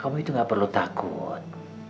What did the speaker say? kamu itu gak perlu takut